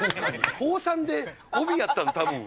高３で帯やったの、たぶん。